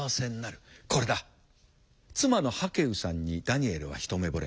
妻のハケウさんにダニエルは一目ぼれ。